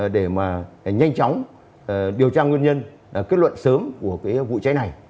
để mà nhanh chóng điều tra nguyên nhân kết luận sớm của vụ cháy này